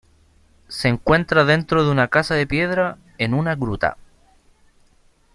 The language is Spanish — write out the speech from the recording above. Se encuentra dentro de una casa de piedra, en una gruta.